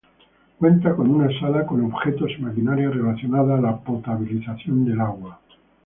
Cuenta con una sala con objetos y maquinaria relacionada a la potabilización del agua.